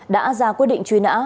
đã ra quyết định truy nã